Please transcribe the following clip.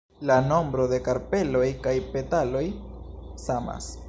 La nombro de karpeloj kaj petaloj samas.